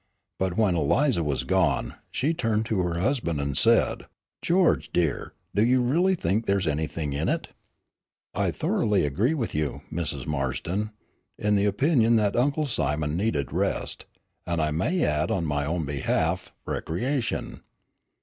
But when Eliza was gone, she turned to her husband, and said: "George, dear, do you really think there is anything in it?" "I thoroughly agree with you, Mrs. Marston, in the opinion that Uncle Simon needed rest, and I may add on my own behalf, recreation."